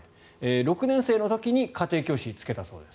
６年生の時に家庭教師をつけたそうです。